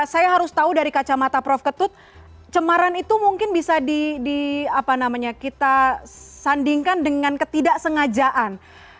jadi saya harus tahu dari kacamata prof ketut cemaran itu mungkin bisa kita sandingkan dengan ketidaksengajaan